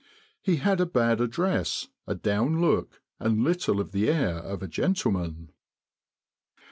He had a bad address, a down look, and little of the air of a gentleman."